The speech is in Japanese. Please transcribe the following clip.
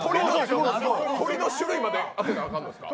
鳥の種類まで当てな、あかんのですか。